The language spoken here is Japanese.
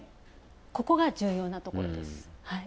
ここが重要なところです。